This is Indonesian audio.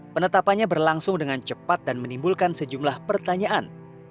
penetapannya berlangsung dengan cepat dan menimbulkan sejumlah pertanyaan